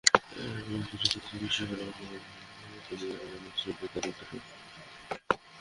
এ পথের দূরত্ব অনেক বেশি হলেও মুসলমানদের চোখ এড়ানোই ছিল তার উদ্দেশ্য।